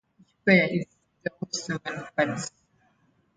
Each player is dealt seven cards.